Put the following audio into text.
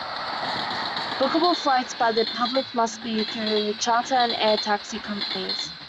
Bookable flights by the public must be through charter and air taxi companies.